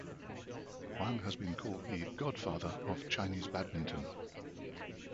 Wang has been called the "Godfather" of Chinese badminton.